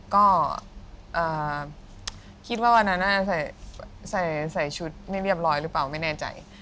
ก็คิดว่าวันนั้นใส่ชุดไม่เรียบร้อยหรือเปล่าไม่แน่ใจ